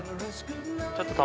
ちょっと。